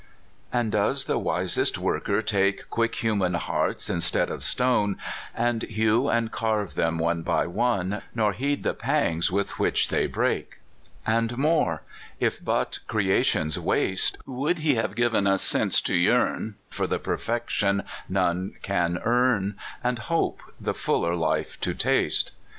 And does the Wisest Worker take Quick human hearts, instead of stone, And hew and carve them one by one, Nor heed the pangs with which they break? 252 CALIFORNIA SKETCHES. And more: if but creation's waste, Would he have given us sense to yearn For the perfection none can earn, And hope the fuller life to taste?